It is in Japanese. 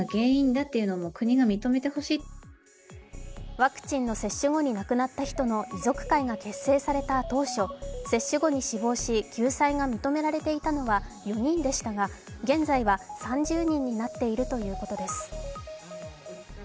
ワクチンの接種後に亡くなった人の遺族会が結成された直後接種後に死亡し救済が認められていたのは４人でしたが現在は３０人になっているということです。